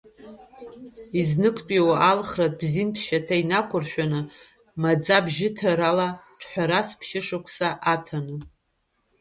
Изныктәиу алхратә зинтә шьаҭа инақәршәаны, маӡа бжьыҭарала, ҿхәарас ԥшьышықәса аҭаны.